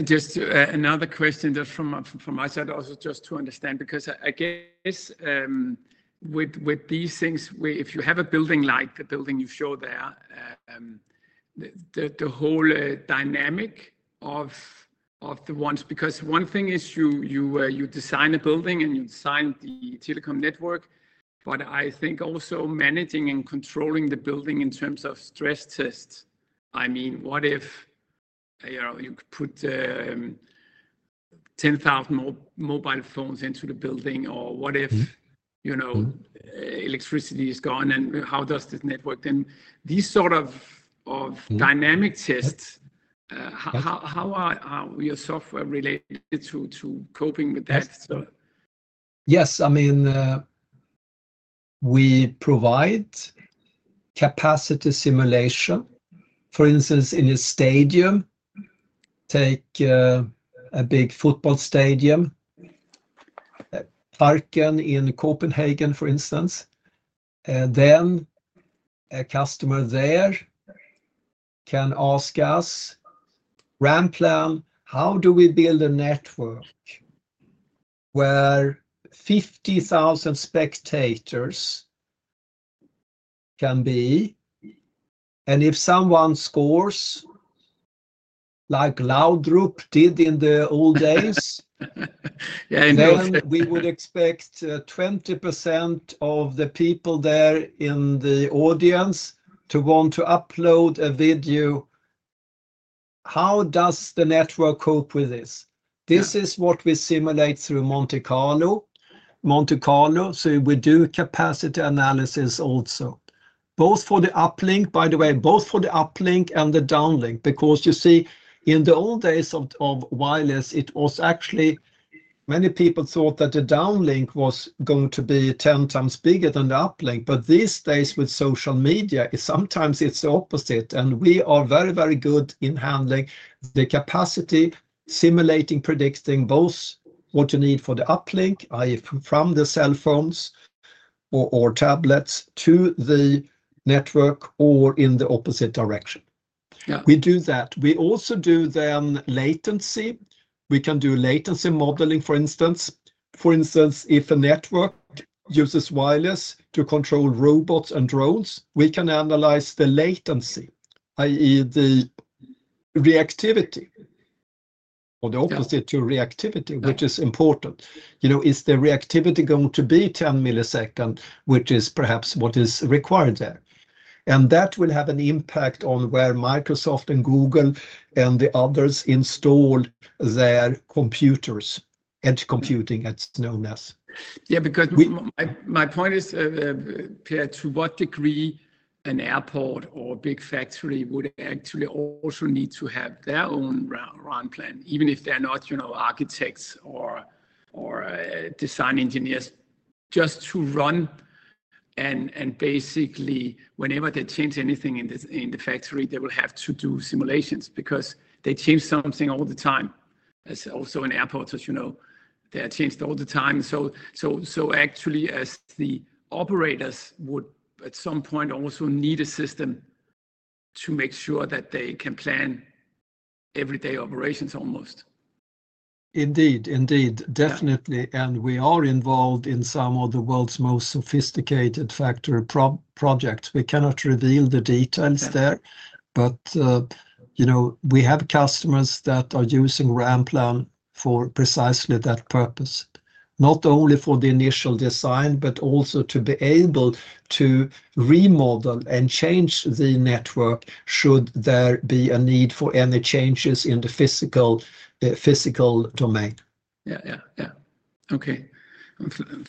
Just another question just from my side also just to understand because I guess with these things, if you have a building like the building you show there, the whole dynamic of the ones because one thing is you design a building and you design the telecom network, but I think also managing and controlling the building in terms of stress tests. I mean, what if you put 10,000 mobile phones into the building or what if electricity is gone and how does this network then these sort of dynamic tests, how are your software related to coping with that? Yes. I mean, we provide capacity simulation. For instance, in a stadium, take a big football stadium, Parken in Copenhagen, for instance, a customer there can ask us, "Ranplan, how do we build a network where 50,000 spectators can be?" If someone scores, like Laudrup did in the old days, we would expect 20% of the people there in the audience to want to upload a video. How does the network cope with this? This is what we simulate through Monte Carlo. Monte Carlo, we do capacity analysis also. Both for the uplink, by the way, both for the uplink and the downlink, because you see, in the old days of wireless, actually many people thought that the downlink was going to be 10 times bigger than the uplink. These days with social media, sometimes it's the opposite. We are very, very good in handling the capacity, simulating, predicting both what you need for the uplink, i.e., from the cell phones or tablets to the network or in the opposite direction. We do that. We also do then latency. We can do latency modeling, for instance. For instance, if a network uses wireless to control robots and drones, we can analyze the latency, i.e., the reactivity or the opposite to reactivity, which is important. Is the reactivity going to be 10 milliseconds, which is perhaps what is required there? That will have an impact on where Microsoft and Google and the others install their computers, edge computing, as it's known as. Yeah, because my point is, Per, to what degree an airport or a big factory would actually also need to have their own Ranplan, even if they're not architects or design engineers, just to run and basically, whenever they change anything in the factory, they will have to do simulations because they change something all the time. Also, in airports, as you know, they are changed all the time. Actually, as the operators would at some point also need a system to make sure that they can plan everyday operations almost. Indeed, indeed. Definitely. We are involved in some of the world's most sophisticated factory projects. We cannot reveal the details there, but we have customers that are using Ranplan for precisely that purpose, not only for the initial design, but also to be able to remodel and change the network should there be a need for any changes in the physical domain. Yeah, yeah, yeah. Okay.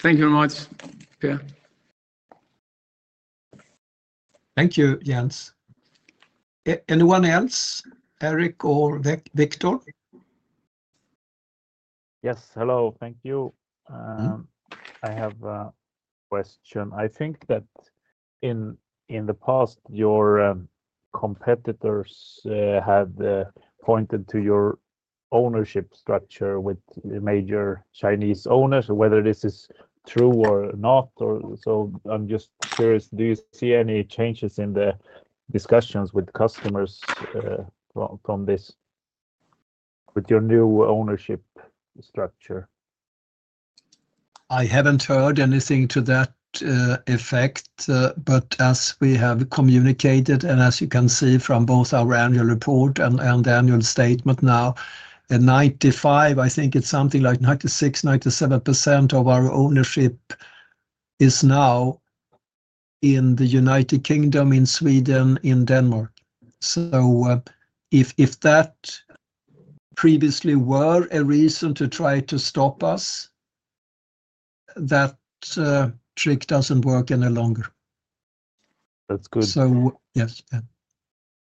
Thank you very much, Per. Thank you. Anyone else? Eric or Victor? Yes. Hello. Thank you. I have a question. I think that in the past, your competitors had pointed to your ownership structure with major Chinese owners, whether this is true or not. I am just curious, do you see any changes in the discussions with customers from this with your new ownership structure? I haven't heard anything to that effect, but as we have communicated, and as you can see from both our annual report and annual statement now, 95, I think it's something like 96%-97% of our ownership is now in the U.K., in Sweden, in Denmark. If that previously were a reason to try to stop us, that trick doesn't work any longer. That's good. Yes, yeah.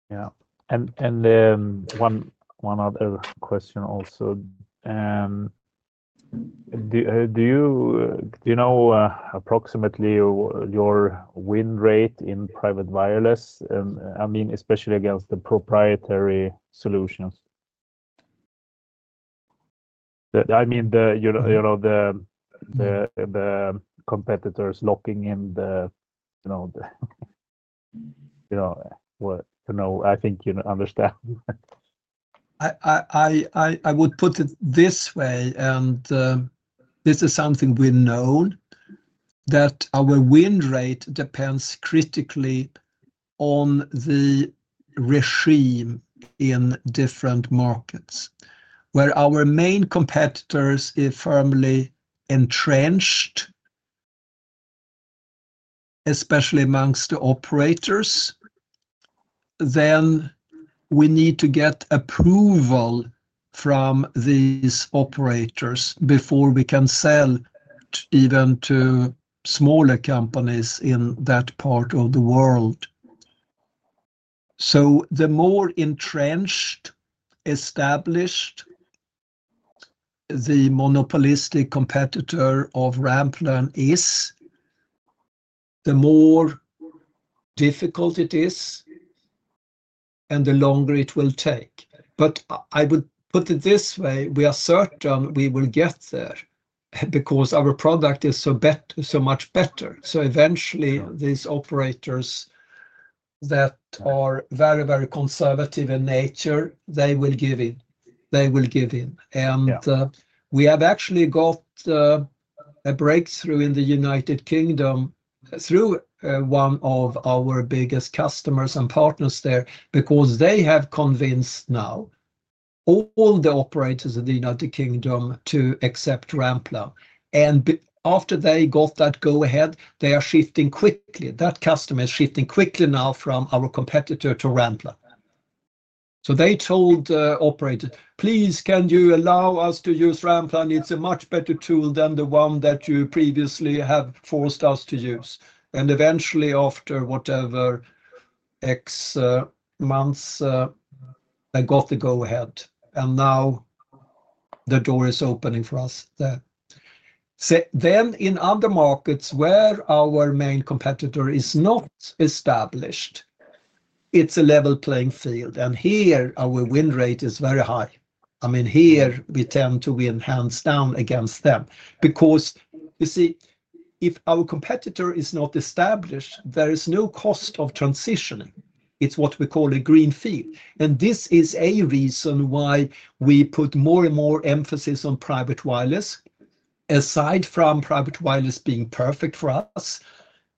Yeah. One other question also. Do you know approximately your win rate in private wireless? I mean, especially against the proprietary solutions. I mean, the competitors locking in the I think you understand. I would put it this way, and this is something we know, that our win rate depends critically on the regime in different markets. Where our main competitors are firmly entrenched, especially amongst the operators, we need to get approval from these operators before we can sell even to smaller companies in that part of the world. The more entrenched, established the monopolistic competitor of Ranplan is, the more difficult it is, and the longer it will take. I would put it this way, we are certain we will get there because our product is so much better. Eventually, these operators that are very, very conservative in nature, they will give in. They will give in. We have actually got a breakthrough in the U.K. through one of our biggest customers and partners there because they have convinced now all the operators in the U.K. to accept Ranplan. After they got that go-ahead, they are shifting quickly. That customer is shifting quickly now from our competitor to Ranplan. They told the operator, "Please, can you allow us to use Ranplan? It's a much better tool than the one that you previously have forced us to use." Eventually, after whatever X months, they got the go-ahead. Now the door is opening for us there. In other markets where our main competitor is not established, it's a level playing field. Here, our win rate is very high. I mean, here we tend to win hands down against them because you see, if our competitor is not established, there is no cost of transitioning. It's what we call a green field. This is a reason why we put more and more emphasis on private wireless. Aside from private wireless being perfect for us,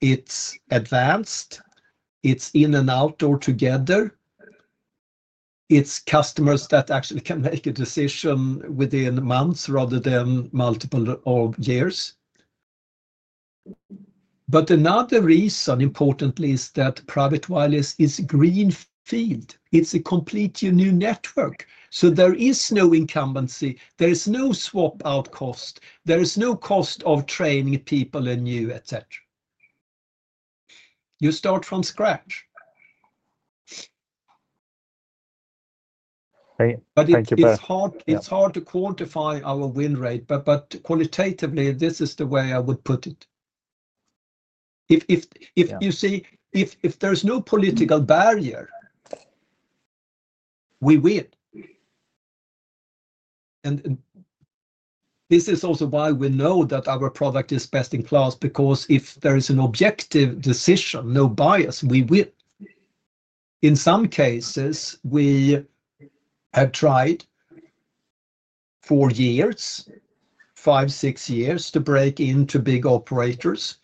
it's advanced. It's in and outdoor together. It's customers that actually can make a decision within months rather than multiple years. Another reason, importantly, is that private wireless is a green field. It's a completely new network. There is no incumbency. There is no swap-out cost. There is no cost of training people anew, etc. You start from scratch. Thank you, Per. It's hard to quantify our win rate, but qualitatively, this is the way I would put it. If you see, if there's no political barrier, we win. This is also why we know that our product is best in class because if there is an objective decision, no bias, we win. In some cases, we have tried four years, five, six years to break into big operators.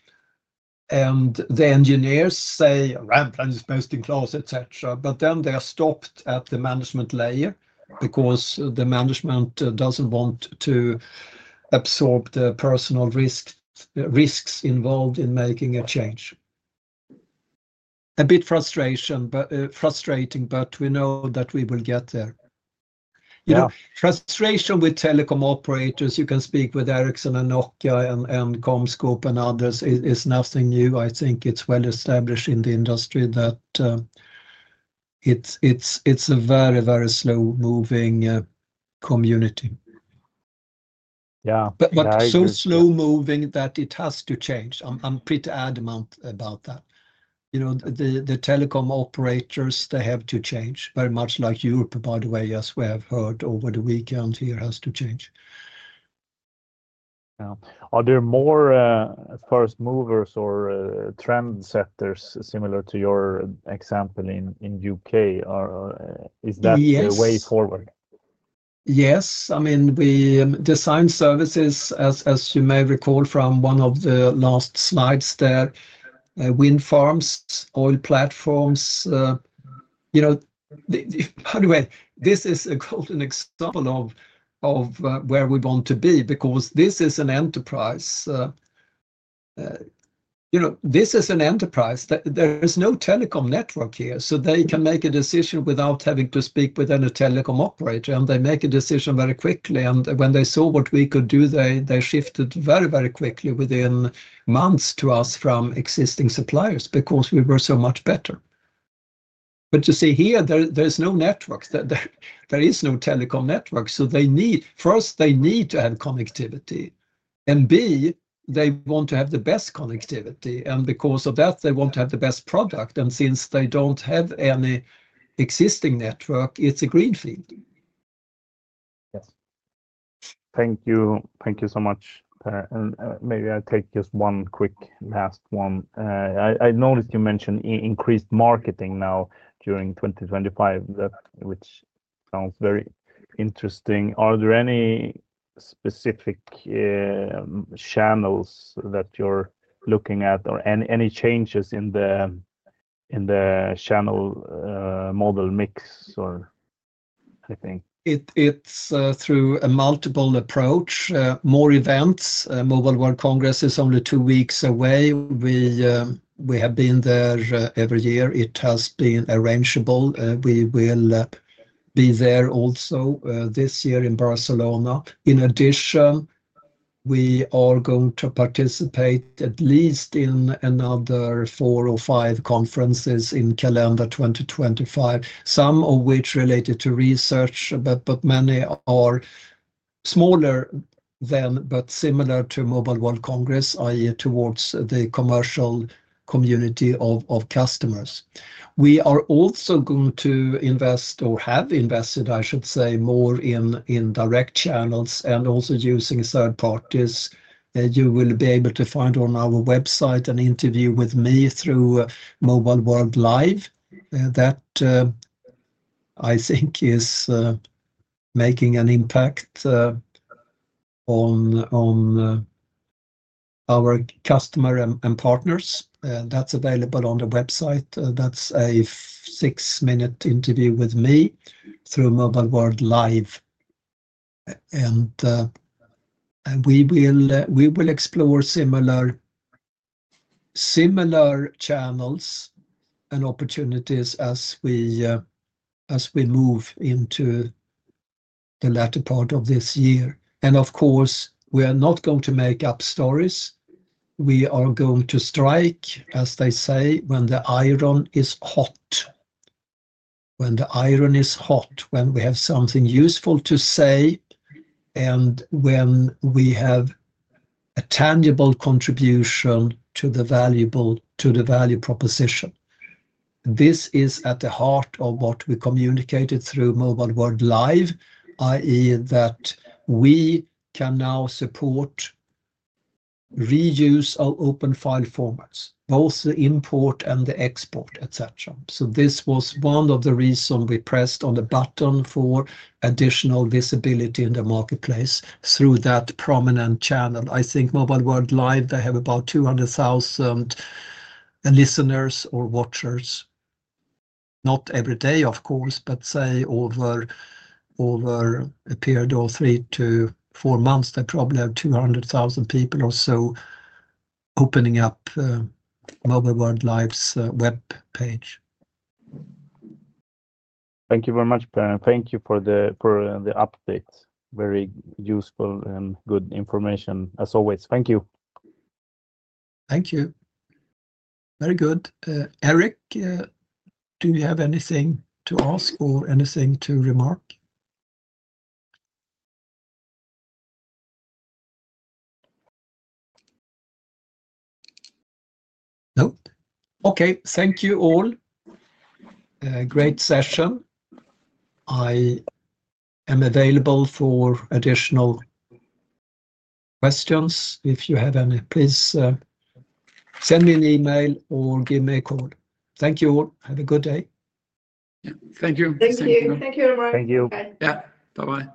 The engineers say, "Ranplan is best in class," etc. They are stopped at the management layer because the management doesn't want to absorb the personal risks involved in making a change. A bit frustrating, but we know that we will get there. Frustration with telecom operators, you can speak with Ericsson and Nokia and CommScope and others, is nothing new. I think it's well established in the industry that it's a very, very slow-moving community. Yeah, exactly. Is so slow-moving that it has to change. I'm pretty adamant about that. The telecom operators, they have to change, very much like Europe, by the way, as we have heard over the weekend here, has to change. Are there more first movers or trendsetters similar to your example in the U.K.? Is that the way forward? Yes. I mean, we design services, as you may recall from one of the last slides there, wind farms, oil platforms. By the way, this is a golden example of where we want to be because this is an enterprise. This is an enterprise. There is no telecom network here, so they can make a decision without having to speak with any telecom operator. They make a decision very quickly. When they saw what we could do, they shifted very, very quickly within months to us from existing suppliers because we were so much better. You see here, there is no network. There is no telecom network. First, they need to have connectivity. B, they want to have the best connectivity. Because of that, they want to have the best product. Since they do not have any existing network, it is a green field. Yes. Thank you. Thank you so much, Per. Maybe I'll take just one quick last one. I noticed you mentioned increased marketing now during 2025, which sounds very interesting. Are there any specific channels that you're looking at or any changes in the channel model mix or anything? It's through a multiple approach, more events. Mobile World Congress is only two weeks away. We have been there every year. It has been arrangable. We will be there also this year in Barcelona. In addition, we are going to participate at least in another four or five conferences in calendar 2025, some of which are related to research, but many are smaller than but similar to Mobile World Congress, i.e., towards the commercial community of customers. We are also going to invest or have invested, I should say, more in direct channels and also using third parties. You will be able to find on our website an interview with me through Mobile World Live. That I think is making an impact on our customer and partners. That's available on the website. That's a six-minute interview with me through Mobile World Live. We will explore similar channels and opportunities as we move into the latter part of this year. Of course, we are not going to make up stories. We are going to strike, as they say, when the iron is hot. When the iron is hot, when we have something useful to say, and when we have a tangible contribution to the value proposition. This is at the heart of what we communicated through Mobile World Live, i.e., that we can now support reuse of open file formats, both the import and the export, etc. This was one of the reasons we pressed on the button for additional visibility in the marketplace through that prominent channel. I think Mobile World Live, they have about 200,000 listeners or watchers. Not every day, of course, but say over a period of three to four months, they probably have 200,000 people or so opening up Mobile World Live's web page. Thank you very much, Per. Thank you for the update. Very useful and good information, as always. Thank you. Thank you. Very good. Eric, do you have anything to ask or anything to remark? No. Okay. Thank you all. Great session. I am available for additional questions. If you have any, please send me an email or give me a call. Thank you all. Have a good day. Thank you. Thank you. Thank you. Yeah. Bye-bye.